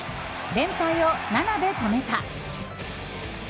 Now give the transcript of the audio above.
連敗を７で止めた。